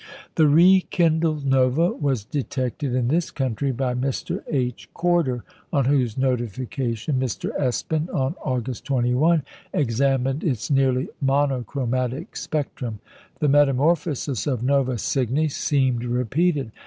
The rekindled Nova was detected in this country by Mr. H. Corder, on whose notification Mr. Espin, on August 21, examined its nearly monochromatic spectrum. The metamorphosis of Nova Cygni seemed repeated.